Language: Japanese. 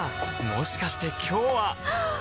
もしかして今日ははっ！